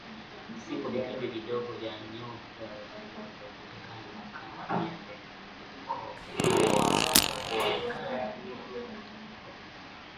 Usiku vikundi vidogo vya nyota zinazojulikana kama jembe Nkokua huonekana